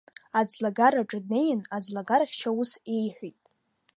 Аӡлагараҿ днеин, аӡлагарахьча ус еиҳәеит…